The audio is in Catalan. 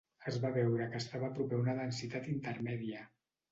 Es va veure que estava proper a una densitat intermèdia.